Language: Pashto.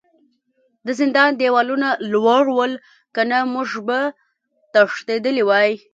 د زندان دیوالونه لوړ ول کنه موږ به تښتیدلي وای